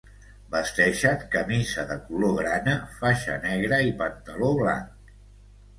Vesteixen camisa de color grana, faixa negra i pantaló blanc.